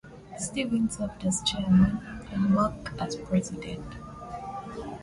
Stephen served as chairman, and Mark as president.